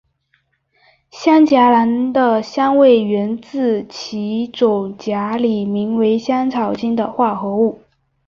香荚兰的香味源自其种荚里名为香草精的化合物。